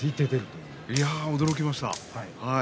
驚きました。